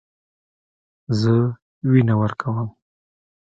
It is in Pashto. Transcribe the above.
زه وینه ورکوم.